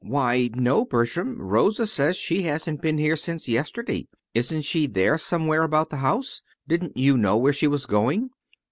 "Why, no, Bertram, Rosa says she hasn't been here since yesterday. Isn't she there somewhere about the house? Didn't you know where she was going?"